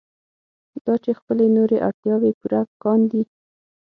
دا چې خپلې نورې اړتیاوې پوره کاندي.